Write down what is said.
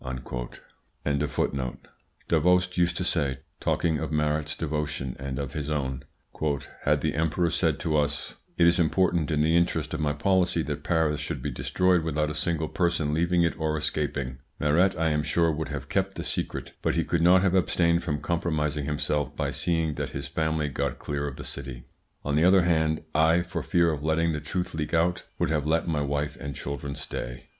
Davoust used to say, talking of Maret's devotion and of his own: "Had the Emperor said to us, `It is important in the interest of my policy that Paris should be destroyed without a single person leaving it or escaping,' Maret I am sure would have kept the secret, but he could not have abstained from compromising himself by seeing that his family got clear of the city. On the other hand, I, for fear of letting the truth leak out, would have let my wife and children stay."